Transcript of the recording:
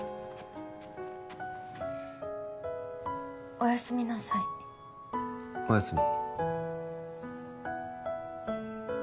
おやすみなさいおやすみ